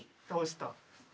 どうした？